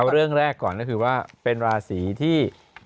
เอาเรื่องแรกก่อนก็คือว่าเป็นราศีที่